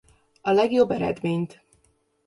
A legjobb eredményt.